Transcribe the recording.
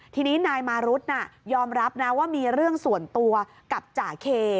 ทีนี้นายมารุธยอมรับนะว่ามีเรื่องส่วนตัวกับจ่าเค